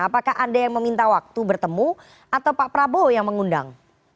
apakah anda yang meminta waktu bertemu atau pak prabowo yang mengundang